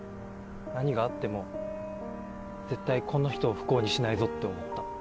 何があっても絶対この人を不幸にしないぞって思った。